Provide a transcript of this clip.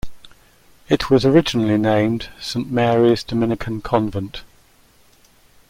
It was originally named Saint Mary's Dominican Convent.